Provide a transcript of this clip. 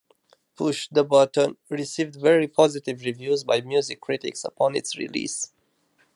"Push The Button" received very positive reviews by music critics upon its release.